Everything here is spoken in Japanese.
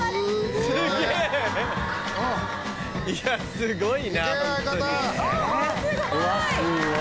すごい！